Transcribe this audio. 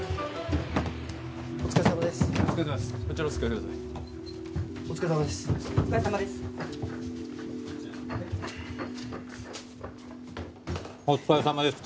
はいお疲れさまです